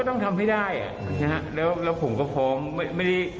ก็ต้องทำให้ได้แล้วผมก็พอไม่ได้